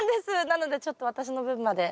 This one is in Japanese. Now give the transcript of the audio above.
なのでちょっと私の分まで。